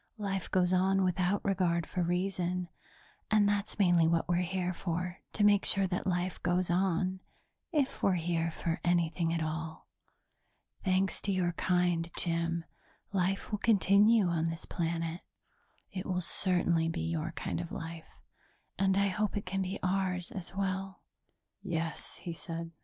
Life goes on without regard for reason, and that's mainly what we're here for, to make sure that life goes on if we're here for anything at all. Thanks to your kind, Jim, life will continue on this planet; it will certainly be your kind of life and I hope it can be ours as well." "Yes," he said.